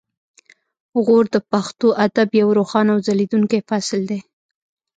غور د پښتو ادب یو روښانه او ځلیدونکی فصل دی